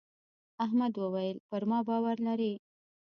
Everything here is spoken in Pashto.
احمد وويل: پر ما باور لرې.